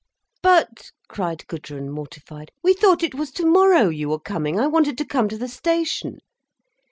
"But!" cried Gudrun, mortified. "We thought it was tomorrow you were coming! I wanted to come to the station."